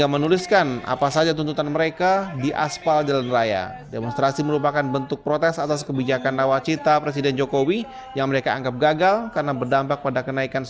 masih suaranya masih suaranya masih suaranya